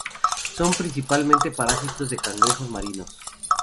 Son principalmente parásitos de cangrejos marinos.